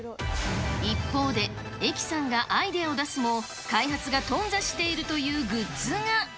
一方で、えきさんがアイデアを出すも、開発が頓挫しているというグッズが。